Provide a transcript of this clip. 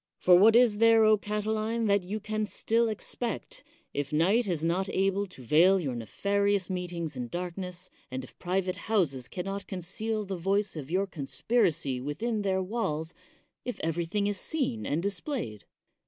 For what is there, Catiline, that you can still expect, if night is not able to veil your nefari ous meetings in darkness, and if private houses can not conceal the voice of your conspiracy with in their walls — ^if everything is seen and dis played?